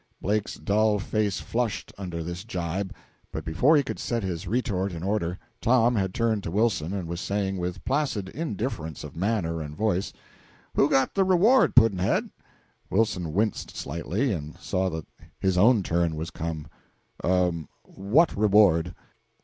Blake's dull face flushed under this gibe, but before he could set his retort in order Tom had turned to Wilson, and was saying, with placid indifference of manner and voice "Who got the reward, Pudd'nhead?" Wilson winced slightly, and saw that his own turn was come. "What reward?"